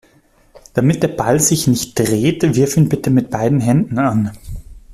Damit der Ball sich nicht dreht, wirf ihn bitte mit beiden Händen an.